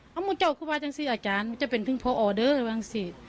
เอ้ามึงเจ้าก็ว่าจังสิอาจารย์มึงเจ้าเป็นพิงพอออเดอร์ว่าจังสิ